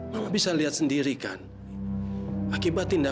fadil ada apa